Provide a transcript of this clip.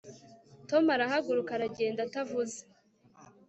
tom arahaguruka aragenda atavuze